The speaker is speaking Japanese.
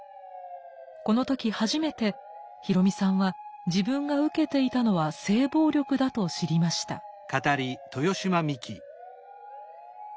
この時初めてヒロミさんは自分が受けていたのは性暴力だと知りました。